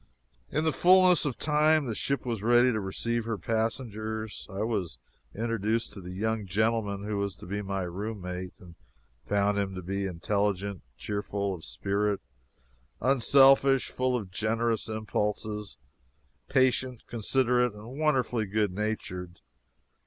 In the fullness of time the ship was ready to receive her passengers. I was introduced to the young gentleman who was to be my roommate, and found him to be intelligent, cheerful of spirit, unselfish, full of generous impulses, patient, considerate, and wonderfully good natured.